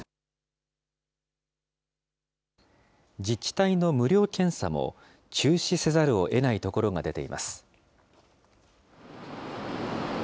自治体の無料検査も、中止せざるをえない所が出ています。